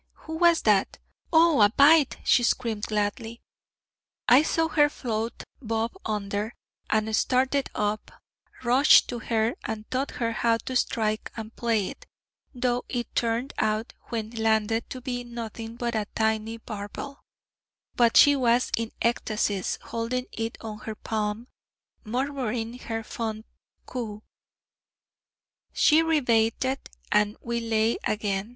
'Who was that?' 'Oh! a bite!' she screamed gladly. I saw her float bob under, and started up, rushed to her, and taught her how to strike and play it, though it turned out when landed to be nothing but a tiny barbel: but she was in ecstasies, holding it on her palm, murmuring her fond coo. She re baited, and we lay again.